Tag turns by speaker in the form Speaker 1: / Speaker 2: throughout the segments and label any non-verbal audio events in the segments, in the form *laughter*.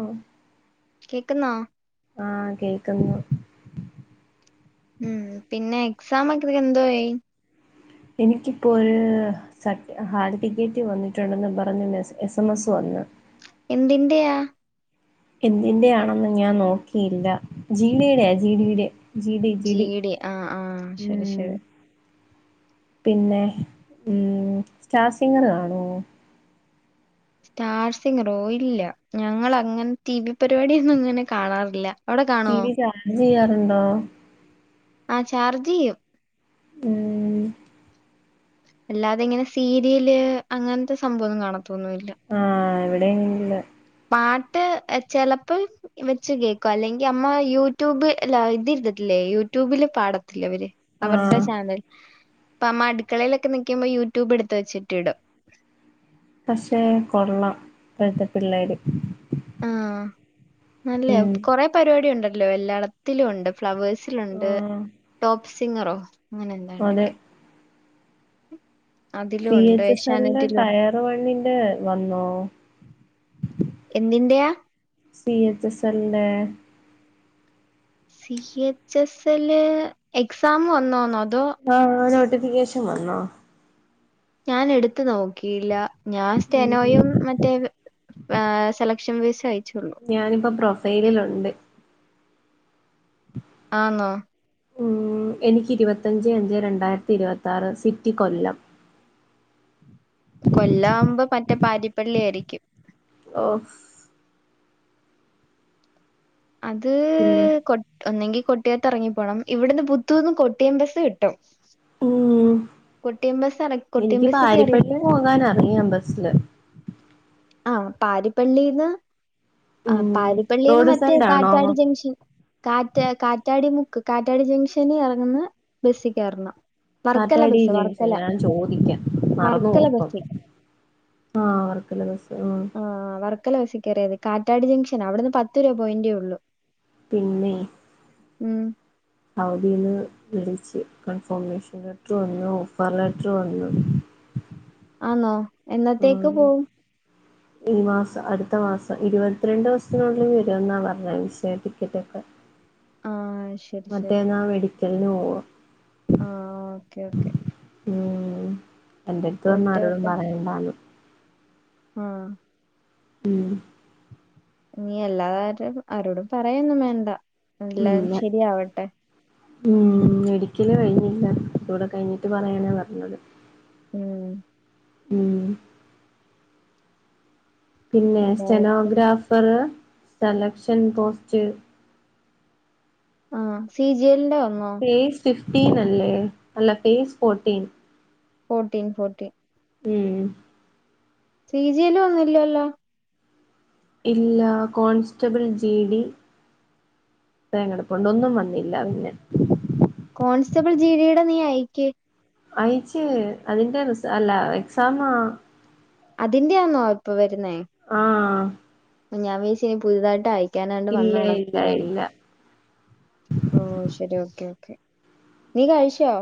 Speaker 1: ഓ.
Speaker 2: കേക്കുന്നോ?
Speaker 1: ആഹ് കേക്കുന്നു.
Speaker 2: ഉം പിന്നെ എക്സാമൊക്കെ പിന്നെ എന്തോ ആയി?
Speaker 1: എനിക്കിപ്പൊ ഒര്. സൺ ഹാൾ ടിക്കറ്റ് വന്നിട്ടുണ്ടെന്ന് പറഞ്ഞ് എസ് എസ് എം എസ് വന്ന്.
Speaker 2: എന്തിന്റെയാ?
Speaker 1: എന്തിന്റെയാണെന്ന് ഞാൻ നോക്കിയില്ല. ജീവിയുടെയാ ജീവിയുടെ. ജിടി ജിടി
Speaker 2: ജിഡി ആഹ് ആഹ് ശരി
Speaker 1: ഉം.
Speaker 2: ശരി
Speaker 1: പിന്നെ ഉം സ്റ്റാർ സിംഗർ കാണോ?
Speaker 2: സ്റ്റാർ സിങ്ങറോ ഇല്ല ഞങ്ങളങ്ങനെ ടി വി പരിപാടിയൊന്നും അങ്ങനെ കാണാറില്ല. അവിടെ
Speaker 1: ടി
Speaker 2: കാണുവോ
Speaker 1: വി ചാർജെയ്യാറുണ്ടോ?
Speaker 2: ആ ചാർജെയ്യും.
Speaker 1: ഉം.
Speaker 2: അല്ലാതെ ഇങ്ങനെ സീരിയല് അങ്ങൻത്തെ സംഭവൊന്നും കാണത്തൊന്നുല്ല.
Speaker 1: ആഹ് എവിടെഇല.
Speaker 2: പാട്ട് എ ചെലപ്പം. വെച്ച് കേക്കു അല്ലെങ്കി അമ്മ യൂട്യൂബ് അല്ല ഇത് ഇരുതിട്ടില്ലേ യൂട്യൂബില് പാടത്തില്ലേ അവര്. അവരുടെ
Speaker 1: ആഹ്
Speaker 2: ചാനൽ ഇപ്പ അമ്മ അടുക്കളയിലൊക്കെ നിക്ക്മ്പോ യൂട്യൂബ് എടുത്ത് വെച്ചിട്ടിടും.
Speaker 1: പഷേ കൊള്ളാം ഇപ്പഴത്തെ പിള്ളേര്.
Speaker 2: ആഹ് നല്ലയാ
Speaker 1: ഉം
Speaker 2: കൊറെ പരിപാടി ഉണ്ടല്ലോ എല്ലാളത്തിലും ഉണ്ട്. ഫ്ലവേഴ്സിലുണ്ട്
Speaker 1: ആഹ്
Speaker 2: ടോപ്പ് സിംഗറോ
Speaker 1: അതെ
Speaker 2: അങ്ങനെന്താണ്ടൊക്കെ. അതിലും
Speaker 1: സി
Speaker 2: ഉണ്ട്
Speaker 1: എച്ച് എസ് സെല്ല
Speaker 2: ഏഷ്യാനെറ്റിലും
Speaker 1: ടയർ വണ്ണിന്റെ വന്നോ?
Speaker 2: എന്തിന്റെയ?
Speaker 1: സി എച്ച് സെല്ലെ.
Speaker 2: സി എച്ച് എസ്ല് എക്സാം വന്നോന്നോ അതോ?
Speaker 1: ആഹ് ആ നോട്ടിഫിക്കേഷൻ വന്നോ?
Speaker 2: ഞാൻ എടുത്ത് നോക്കിയില്ല. ഞാൻ
Speaker 1: ഉം
Speaker 2: സ്റ്റെനോയും മറ്റേ വെ ഏഹ് സെലക്ഷൻ ഫീസ് അയച്ചുള്ളു.
Speaker 1: ഞാനിപ്പോ പ്രൊഫൈലിലുണ്ട്.
Speaker 2: ആന്നോ?
Speaker 1: ഉം എനിക്ക് ഇരുവത്തഞ്ചെ അഞ്ചെ രണ്ടായിരത്തി ഇരുപത്താറ് സിറ്റി കൊല്ലം.
Speaker 2: കൊല്ലാവുമ്പൊ മറ്റേ പാരിപ്പള്ളി ആയിരിക്കും.
Speaker 1: ഓഹ്.
Speaker 2: അത്
Speaker 1: പിന്നെ
Speaker 2: കൊ ഒന്നെങ്കി കൊട്ടിയത്ത് എറങ്ങി പോണം ഇവിടുന്ന് പുത്തൂന്ന് കൊട്ടിയം ബസ്സ് കിട്ടും.
Speaker 1: ഉം
Speaker 2: കൊട്ടിയം ബസ് ഇറ- കൊട്ടിയം
Speaker 1: എനിക്ക്
Speaker 2: ബസ്
Speaker 1: പാരിപ്പള്ളി
Speaker 2: കയറിയിട്ട്
Speaker 1: പോകാനറിയാം ബസ്സില്.
Speaker 2: ആഹ് പാരിപ്പള്ളിന്ന് ആ
Speaker 1: ഉം
Speaker 2: പാരിപ്പള്ളിന്ന്
Speaker 1: റോഡ്
Speaker 2: മറ്റേ
Speaker 1: സൈഡ് ആണോ
Speaker 2: കാറ്റാട് ജംഗ്ഷൻ. കാറ്റ് കാറ്റാടി മുക്ക് കാറ്റാടി ജംഗ്ഷന് ഇറങ്ങുന്ന ബസ്സി കേറണം. വർക്കല
Speaker 1: കാറ്റാടി
Speaker 2: ബസ്സ്
Speaker 1: ജംഗ്ഷൻ
Speaker 2: വർക്കല
Speaker 1: ഞാൻ ചോദിക്കാം. മറന്ന്
Speaker 2: വർക്കല
Speaker 1: പോവു പ്പം.
Speaker 2: ബസ്സി
Speaker 1: ആഹ് വർക്കല ബസ്. ആഹ്
Speaker 2: ആഹ് വർക്കല ബസ് കേറിയാ മതി. കാറ്റാടി ജംഗ്ഷൻ. അവിടന്ന് പത്ത് രൂപോയെന്റെ ഒള്ളൂ.
Speaker 1: പിന്നെ
Speaker 2: ഉം
Speaker 1: സൗദീന്ന് വിളിച്ച് കൺഫർമേഷൻ ലെറ്റർ വന്നു ഓഫർ ലെറ്റർ വന്നു
Speaker 2: ആന്നോ
Speaker 1: ആഹ്. ! ! ! ! ! ! ! ! ഈ മാസം അടുത്ത മാസം ഇരുപത്തിരണ്ട് ദിവസ്ത്തിനുള്ളിൽ വരുമെന്നാ പറഞ്ഞത് വിസേം ടിക്കറ്റു ഒക്കെ
Speaker 2: ആഹ് അഹ് ശ
Speaker 1: മറ്റേന്നാ മെഡിക്കൽന് പോവ.
Speaker 2: ആഹ് ഓക്കേ ഓക്കെ.
Speaker 1: ഉം. എന്റെട്ത്ത് പറഞ്
Speaker 2: പോയിട്ട്
Speaker 1: ആരോടും
Speaker 2: വരട്ടെ
Speaker 1: പറയണ്ടാന്ന്.
Speaker 2: ആഹ്.
Speaker 1: ഉം
Speaker 2: നീ എല്ലാ ത ആരൊ ആരോടും പറയൊന്നും വേണ്ട. എല്ലാം
Speaker 1: ഇല്ല
Speaker 2: ശരിയാവട്ടെ.
Speaker 1: ഉം മെഡിക്കല് കഴിഞ്ഞില്ല അതൂടെ കഴിഞ്ഞിട്ട് പറയാനാ പർഞ്ഞത്.
Speaker 2: ഉം
Speaker 1: ഉം പിന്നെ
Speaker 2: എല്ലാവർക്കും
Speaker 1: സ്റ്റെനോഗ്രാഫർ സെലക്ഷൻ പോസ്റ്റ്
Speaker 2: ആഹ്. സി ജി എൽ ന്റെ വന്നോ?
Speaker 1: ഫേസ് ഫിഫ്റ്റീൻ അല്ലേ അല്ല ഫേസ് ഫോർട്ടീൻ
Speaker 2: ഫോർട്ടീൻ ഫോർട്ടീൻ
Speaker 1: ഉം
Speaker 2: സി ജി എൽ വന്നില്ലല്ലോ.
Speaker 1: ഇല്ല. കോൺസ്റ്റബിൾ ജെ ഡി *unintelligible* കെടെപ്പുണ്ട് ഒന്നും വന്നില്ല പിന്നെ.
Speaker 2: കോൺസ്റ്റബിൾ ജീ ഡി യുടെ നീ അയക്ക്
Speaker 1: അയച്ച് അതിന്റെ റിസ അല്ല എക്സാമാ.
Speaker 2: അതിന്റെയാന്നോ ഇപ്പോ വരുന്നേ?
Speaker 1: ആഹ്
Speaker 2: ഞാൻ വിചാരിച്ച് ഇനി പുതുതായിട്ട് അയക്കാനായിണ്ട് വന്ന്
Speaker 1: ഇല്ല ഇല്ല
Speaker 2: കെടക്കുവാന്ന്.
Speaker 1: ഇല്ല
Speaker 2: ഓഹ് ശരി ഓക്കെ ഓക്കേ. നീ കഴിച്ചോ?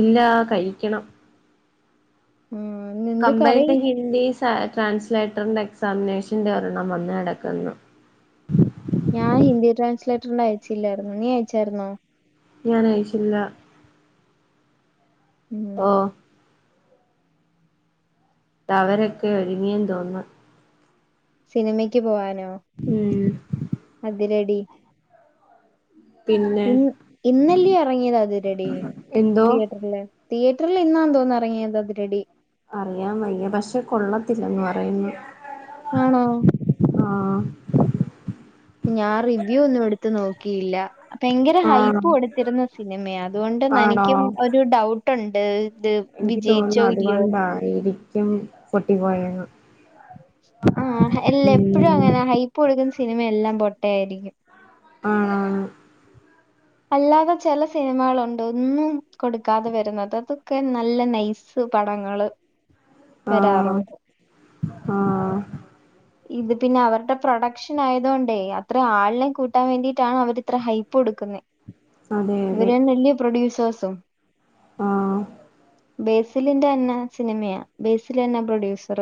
Speaker 1: ഇല്ലാ, കഴിക്കണം.
Speaker 2: ഉം ഇന്ന് എന്തു കറി
Speaker 1: കമ്പൈൻഡ് ഹിന്ദി സാ ട്രാൻസ്ലേറ്ററിന്റെ എക്സാമിനേഷന്റെ ഒരെണ്ണം വന്ന് കെടക്കുന്നു
Speaker 2: ഞാൻ ഹിന്ദി ട്രാൻസ്ലേറ്ററിൻ്റെ അയച്ചില്ലായിരുന്നു. നീ അയച്ചായിരുന്നോ?
Speaker 1: ഞാനയച്ചില്ല.
Speaker 2: ഉം
Speaker 1: ഓഹ് ദ അവരൊക്കെ ഒരുങ്ങിയെന്ന് തോന്നുന്ന്.
Speaker 2: സിനിമക്ക് പോവാനോ?
Speaker 1: മ്മ്
Speaker 2: അതിരെടി
Speaker 1: പിന്നെ
Speaker 2: ഇന്ന്, ഇന്നല്ല്യോ ഇറങ്ങിയത് അതിരെടി
Speaker 1: എന്തോ
Speaker 2: തിയേറ്റർല് തിയേറ്റർല് ഇന്നാന്ന് തോന്നുന്നു ഇറങ്ങിയത് അതിരടി.
Speaker 1: അറിയാൻ വയ്യ പക്ഷെ കൊള്ളത്തില്ലന്ന് പറയുന്നു.
Speaker 2: ആണോ
Speaker 1: ആഹ്
Speaker 2: ഞാൻ റിവ്യൂ ഒന്നും എടുത്ത് നോക്കിയില്ല. അഹ് ഭയങ്കര
Speaker 1: ആഹ്
Speaker 2: ഹൈപ്പ് കൊടുത്തിരുന്ന സിനിമയാ അതുകൊണ്ട്
Speaker 1: ആണോ
Speaker 2: നെനിക്കും ഒരു ഡൗട്ടുണ്ട്. ദ് വിജയിച്ചോ ഇല്ലിയോന്ന്.
Speaker 1: ശരിക്കും പൊട്ടി പോയാണ്.
Speaker 2: ആഹ് എല്ല എപ്പോഴും അങ്ങനെ ഹൈപ്പ് കൊടുക്കുന്ന സിനിമയെല്ലാം പൊട്ടയായിരിക്കും.
Speaker 1: ആണാണ്
Speaker 2: അല്ലാതെ ചില സിനിമകളുണ്ട്. ഒന്നും കൊടുക്കാതെ വരുന്നത്. അതൊക്കെ നല്ല നൈസ് പടങ്ങള്.
Speaker 1: ആഹ്
Speaker 2: വരാറുണ്ട്.
Speaker 1: ആഹ്
Speaker 2: ഇത് പിന്നെ അവരുടെ പ്രൊഡക്ഷൻ ആയതൊണ്ടേ അത്ര ആളിനെ കൂട്ടാൻ വേണ്ടിട്ടാണ് അവര് ഇത്ര ഹൈപ്പ് കൊടുക്കുന്നേ.
Speaker 1: അതെ അതെ
Speaker 2: ഇവര് തന്നെ അല്ലിയോ പ്രൊഡ്യൂസേഴ്സും.
Speaker 1: ആഹ്
Speaker 2: ബേസിലിന്റെ തന്നെ സിനിമയാ ബേസില് തന്നാ പ്രൊഡ്യൂസർ.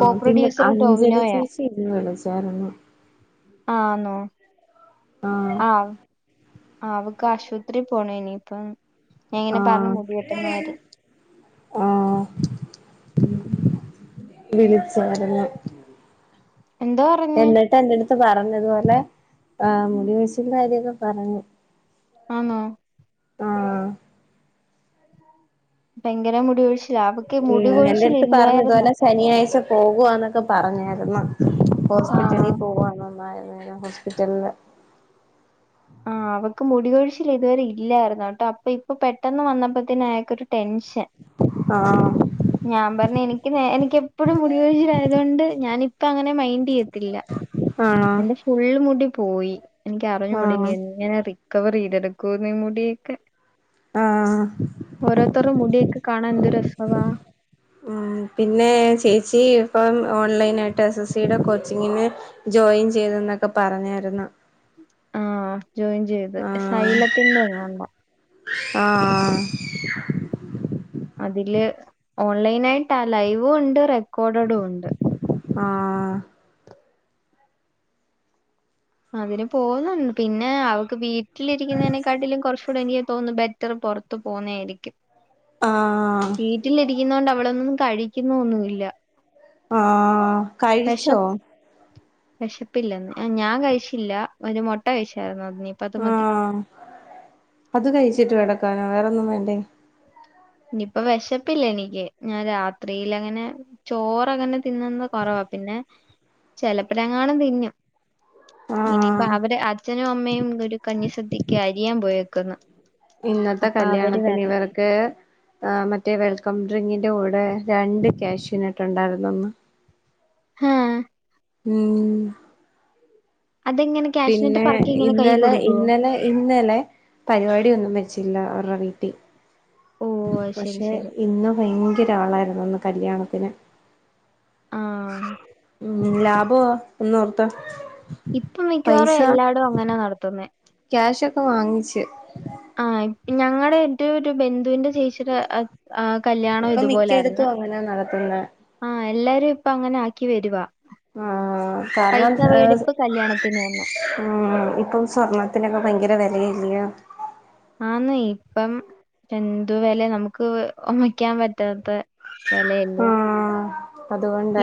Speaker 2: കോ
Speaker 1: പിന്നെ
Speaker 2: പ്രൊഡ്യൂസർ
Speaker 1: അഞ്ചന
Speaker 2: ടോവിനോയാ
Speaker 1: ചേച്ചി ഇന്ന് വിളിച്ചായിരുന്നു.
Speaker 2: ആന്നോ? ആഹ് അവക്ക് ആശുപത്രി പോണം ഇനിയിപ്പം ഞാൻ ഇങ്ങനെ പറഞ്ഞു
Speaker 1: ആഹ്
Speaker 2: മുടി വെട്ടുന്ന കാര്യം.
Speaker 1: ആഹ് വിളിച്ചായിരുന്നു.
Speaker 2: എന്തോ പറഞ്ഞ്
Speaker 1: എന്നിട്ട് എന്റെടുത്ത് പറഞ്ഞുതുപോലെ ആഹ് മുടികൊഴിച്ചലിന്റെ കാര്യങ്ങളെക്കെ പറഞ്ഞു.
Speaker 2: ആന്നൊ?
Speaker 1: ആഹ്
Speaker 2: ഭയങ്കര മുടി കൊഴിച്ചിലാ മുടി
Speaker 1: ഉം എന്റെ
Speaker 2: കൊഴിച്ചിൽ
Speaker 1: അടുത്ത്
Speaker 2: ഇല്ലായിരുന്നു
Speaker 1: പറഞ്ഞതുപോലെ ശനിയാഴ്ച പോകുവാന്നൊക്കെ പറഞ്ഞായിരുന്നു.
Speaker 2: ആഹ്
Speaker 1: ഹോസ്പിറ്റലിൽ പോവാന്ന് ആയുർവേദ ഹോസ്പിറ്റലില്
Speaker 2: ആ അവക്ക് മുടികൊഴിച്ചൽ ഇതുവരെ ഇല്ലായിരുന്നു കേട്ടോ. അപ്പൊ ഇപ്പൊ പെട്ടെന്ന് വന്നപ്പോ ത്തേന് അയ്യാക്കൊരു ടെൻഷൻ-
Speaker 1: ആഹ്
Speaker 2: *inaudible* ഞാൻ പറഞ്ഞ് എനിക്ക് എനിക്കപ്പഴും മുടി കൊഴിച്ചിലായതു കൊണ്ട് ഞാനിപ്പ അങ്ങനെ മൈൻഡ് ചെയ്യത്തില്ല.
Speaker 1: ആണോ?
Speaker 2: ഫുള്ള് മുടി പോയി എനിക്ക് അറിഞ്ഞൂടാ
Speaker 1: ആഹ്
Speaker 2: എങ്ങനെ റിക്കവർ ചെയ്തെടുക്കുവെന്ന് മുടിയൊക്കെ?
Speaker 1: ആഹ്
Speaker 2: ഓരോരുത്തരുടെ മുടിയൊക്കെ കാണാൻ എന്ത് രസവാ.
Speaker 1: ഉം പിന്നെ ചേച്ചി ഇപ്പം ഓൺലൈനാ യിട്ട് എസ്. എസ്. സി. യുടെ കോച്ചിങ്ങിന് ജോയിൻ ചെയ്ത് എന്നൊക്കെ പറഞ്ഞായിരുന്നു.
Speaker 2: ആഹ് ജോയിൻ ചെയ്ത്.
Speaker 1: ആഹ്
Speaker 2: സൈലത്തിന്റെ എങ്ങാണ്ട്.
Speaker 1: ആഹ്
Speaker 2: അതില് ഓൺലൈനായിട്ടാ ലൈവും ഉണ്ട് റെക്കോർഡഡും ഉണ്ട്.
Speaker 1: ആഹ്
Speaker 2: അതിന് പോകുന്നുണ്ട് പിന്നെ അവക്ക് വീട്ടിലിരിക്കുന്നതിനെക്കാട്ടിലും കുറച്ച് ഇപ്പോ എനിക്ക് തോന്നുന്നു ബെറ്റർ പുറത്തു പോകുന്നതായിരിക്കും.
Speaker 1: ആഹ്
Speaker 2: വീട്ടിലിരിക്കുന്നൊണ്ട് അവളൊന്നും കഴിക്കുന്നൊന്നുല്ല.
Speaker 1: ആഹ് കഴിച്ചോ?
Speaker 2: വിശപ്പില്ലന്ന്. ഞാൻ കഴിച്ചില്ല ഒരു മുട്ട കഴിച്ചായിരുന്നു. അത് ഇനി
Speaker 1: ആഹ് അത് കഴിച്ചിട്ട് കിടക്കാനോ വേറൊന്നും വേണ്ടേ?
Speaker 2: ഇനിയിപ്പ വിശപ്പില്ല എനിക്ക് ഞാൻ രാത്രിൽ അങ്ങനെ ചോറങ്ങനെ തിന്നുന്നത് കൊറവാ. പിന്നെ ചിലപ്പ ലെങ്ങാനും തിന്നും. ഇനിയിപ്പ
Speaker 1: ആഹ്
Speaker 2: അവടെ അച്ഛനും അമ്മയും ഒരു കഞ്ഞിസദ്യക്ക് അരിയാൻ പോയേക്കുന്നു. അപ്പൊ അവര് വരണം.
Speaker 1: കേ ആഹ് മറ്റേ വെൽക്കം ഡ്രിങ്കിന്റെ കൂടെ രണ്ട് ക്യാഷുനട്ട് ഉണ്ടായിരുന്നൊന്ന്.
Speaker 2: ഹും
Speaker 1: ഉം
Speaker 2: അതെങ്ങനെ ക്യാഷിനിട്ട്
Speaker 1: പിന്നെ
Speaker 2: പറക്കി ഇങ്ങനെ കൈ
Speaker 1: ഇന്നലെ
Speaker 2: കൊടുക്കോ
Speaker 1: ഇന്നലെ ഇന്നലെ പരിപാടി ഒന്നും വെച്ചില്ല അവരുടെ വീട്ടി
Speaker 2: ഓ അത് ശരി
Speaker 1: പക്ഷെ
Speaker 2: ശരി
Speaker 1: ഇന്ന് ഭയങ്കരാളായിരുന്നു ഇന്ന് കല്യാണത്തിന്
Speaker 2: ആഹ്
Speaker 1: ഉം ലാഭ ഒന്നോർത്ത
Speaker 2: ഇപ്പ മിക്കവാറും എല്ലാടും അങ്ങനെ നടത്തുന്നെ
Speaker 1: ക്യാഷ് ഒക്കെ വാങ്ങിച്ച്
Speaker 2: ആ ഞങ്ങളുടെ എന്റെ ഒരു ബന്ധുവിന്റെ ചേച്ചിയുടെ ആഹ് കല്ല്യാണം
Speaker 1: ഇപ്പൊ
Speaker 2: ഇതുപോലായിരുന്ന്
Speaker 1: മിക്കയിടത്തും അങ്ങനാ നടത്തുന്നെ
Speaker 2: ആഹ് എല്ലരും ഇപ്പ അങ്ങനെ ആക്കി വരുവാ
Speaker 1: ആഹ് കാരണം
Speaker 2: പൈസ
Speaker 1: ഏ
Speaker 2: വേടിപ്പ് കല്യാണത്തിന് തന്നെ
Speaker 1: ആ ഇപ്പം സ്വർണത്തിനൊക്കെ ഭയങ്കര വെലയല്ലെ
Speaker 2: ആന്ന് ഇപ്പം എന്തു വെല നമുക്ക് ഒമയ്ക്കാൻ പറ്റാത്ത വെലയല്ലേ
Speaker 1: ആഹ്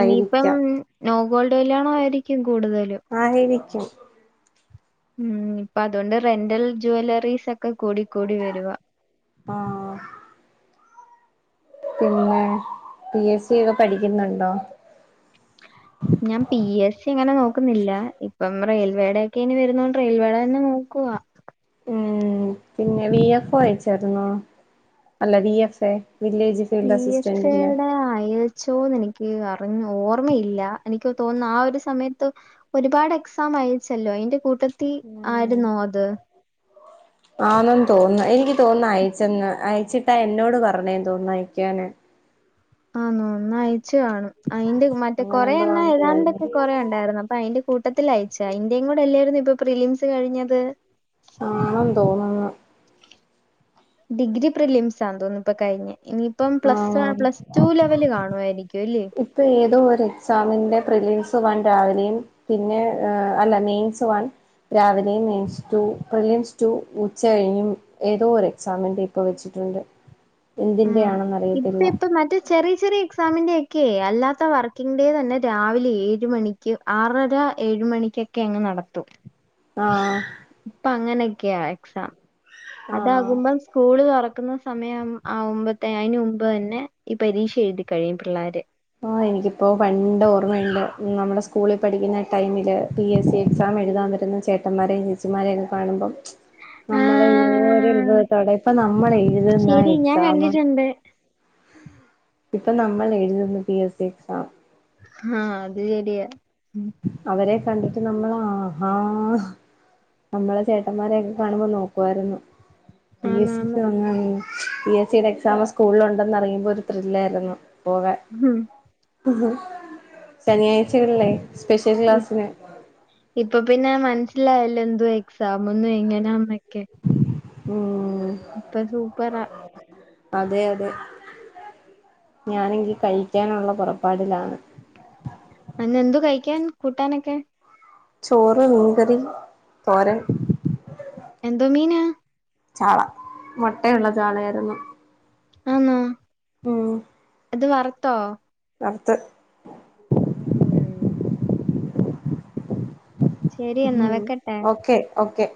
Speaker 2: ഇനിയിപ്പം നോഗോൾഡ് കല്യാണ ആയിരിക്കും കൂടുതലും
Speaker 1: ആയിരിക്കും
Speaker 2: ഉം ഇപ്പൊ അതുകൊണ്ട് റെന്റൽ ജ്വല്ലറീസ് ഒക്കെ കൂടി കൂടി വരുവാ
Speaker 1: ആഹ് പിന്നെ പി എസ് സി ഒക്കെ പഠിക്കുന്നുണ്ടോ
Speaker 2: ഞാൻ പി എസ് സി അങ്ങനെ നോക്കുന്നില്ല ഇപ്പം റെയിൽവേയുടെ ഒക്കെ ഇനി വരുന്നോണ്ട് റെയിൽവേയുടെ തന്നെ നോക്കുവ
Speaker 1: ഉം പിന്നെ വി എഫ് ഒ അയച്ചര്ന്നോ അല്ല V F A village
Speaker 2: V
Speaker 1: field
Speaker 2: F
Speaker 1: അസിസ്റ്റന്റിന്റെ
Speaker 2: എയുടെ അയച്ചോന്ന് എനി ക്ക് അറിഞ്ഞു ഓർമ്മയില്ല എനിക്ക് തോന്നുന്നു ആ ഒരു സമയത്ത് ഒരുപാട് എക്സാം അയച്ചല്ലോ അയിന്റെ കൂട്ടത്തി ആയിരുന്നോ അത്
Speaker 1: ആന്ന് തോന്നുന്നേ എനിക്ക് തോനുന്നെ അയച്ചെന്ന് അയച്ചിട്ടാ എന്നോട് പറഞ്ഞേന്ന് തോന്നാ അയക്കാന്
Speaker 2: ആന്നോ എന്നാ അയച്ചു കാണും അയിന്റെ മറ്റേ
Speaker 1: അങ്ങനെ
Speaker 2: കൊറെ
Speaker 1: എന്തോ
Speaker 2: എണ്ണ
Speaker 1: ആന്ന് തോന്നുന്നു
Speaker 2: ഏതാണ്ടൊക്കെ കൊറെ ഉണ്ടായിരുന്നു അപ്പൊ അയിന്റെ കൂട്ടത്തിൽ അയച്ചാ ഇന്റെ യും കൂടെ അല്ലായിരുന്നു ഇപ്പൊ പ്രിലിംസ് കഴിഞ്ഞത്
Speaker 1: ആണെന്ന് തോന്ന്ണ്
Speaker 2: ഡിഗ്രി പ്രിലിംസാന്ന് തോന്നുന്നു ഇപ്പ കഴിഞ്ഞേ ഇനി ഇപ്പം പ്ലസ്
Speaker 1: ആഹ്
Speaker 2: പ്ലസ് ടു ലെവല് കാണുവായിരിക്കും ല്ലേ
Speaker 1: ഇപ്പം ഏതോ ഒരു എക്സാമിൻ്റെ പ്രിലീസ് വൺ രാവിലെയും പിന്നെ അല്ല നെയിംസ് വൺ രാവിലെയും നെയിംസ് ടു പ്രിലിംസ് ടു ഉച്ച കഴിഞ്ഞും ഏതോ ഒരു എക്സാമിന്റെ ഇപ്പ വെച്ചിട്ടുണ്ട്
Speaker 2: ഉം
Speaker 1: എന്തിന്റെയാണെന്ന്
Speaker 2: ഇപ്പ
Speaker 1: അറിയത്തില്ല
Speaker 2: ഇപ്പ മറ്റേ ചെറിയ ചെറിയ എക്സാമിന്റെ ഒക്കെ അല്ലാത്ത വർക്കിംഗ് ഡേ തന്നെ രാവിലെ ഏഴ് മണി ക്ക് ആറര ഏഴ് മണിക്കൊക്കെ അങ്ങ് നടത്തും
Speaker 1: ആഹ്
Speaker 2: ഇപ്പ അങ്ങനെയൊക്കെയാ എക്സാം
Speaker 1: ആണോ?
Speaker 2: അതാകുമ്പം സ്കൂള് തുറക്കുന്ന സമയം ആകുമ്പോത്തേൻ ആയി ന്റെ മുമ്പ് തന്നെ ഈ പരീക്ഷ എഴുതി കഴിയും പിള്ളേരെ
Speaker 1: ആഹ് എനിക്കിപ്പോൾ പണ്ട് ഓർമ്മയുണ്ട് നമ്മുടെ സ്കൂളിൽ പഠിക്കുന്ന ടൈമില് പി എസ് സി എക്സാം എഴുതാൻ വരുന്ന ചേട്ടന്മാരെയും ചേച്ചിമാരെയൊക്കെ കാണുമ്പോ നമ്മൾ എന്തൊരു
Speaker 2: ആഹ്
Speaker 1: അൽഭുദത്തോടെ ഇപ്പൊ നമ്മൾ എഴുതുന്ന
Speaker 2: ശരി ഞാൻ
Speaker 1: എക്സാം
Speaker 2: കണ്ടിട്ടുണ്ട്
Speaker 1: ഇപ്പൊ നമ്മൾ എഴുതുന്ന പി എസ് സി എക്സാം
Speaker 2: ആഹ് അത് ശരിയ
Speaker 1: അവരെ കണ്ടിട്ട് നമ്മൾ ആ ഹാ നമ്മളെ ചേട്ടമ്മാരെ യൊക്കെ കാണുമ്പോ നോക്കുവായിരുന്നു പി എസ് സി
Speaker 2: ആന്നാന്ന്
Speaker 1: ക്ക്‌ പി എസ് സിയുടെ എക്സാം സ്കൂളിൽ ഉണ്ടെന്നറിയുമ്പോ ഒരു ത്രില്ലായിരുന്നു പോകാൻ.
Speaker 2: ഹം
Speaker 1: ശനിയാഴ്ചകളിൽ സ്പെഷ്യൽ ക്ലാസ്സിന്
Speaker 2: ഇപ്പൊ പിന്നെ മനസ്സിലായല്ലോ എന്തോ എക്സാമ ന്നും എങ്ങനാന്നൊക്കെ.
Speaker 1: ഉം
Speaker 2: ഇപ്പൊ സൂപ്പറാ
Speaker 1: അതെ അതെ ഞാനെങ്കി കഴിക്കാനുള്ള പൊറപ്പാടിലാണ്.
Speaker 2: അന് എന്തു കഴിക്കാൻ കൂട്ടാനൊക്കെ?
Speaker 1: ചോറ് മീൻകറി തോരന്
Speaker 2: എന്തോ മീനാ?
Speaker 1: ചാള മൊട്ടയുള്ള ചാളയായിരുന്നു.
Speaker 2: ആന്നൊ?
Speaker 1: ഉം
Speaker 2: അത് വറത്തോ?
Speaker 1: വർത്ത്
Speaker 2: ഉം ശരി എന്നാ വെക്കട്ടെ
Speaker 1: ഓക്കെ ഓക്കെ